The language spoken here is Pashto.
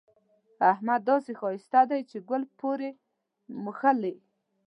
احمد داسې ښايسته دی چې ګل پورې مښلي.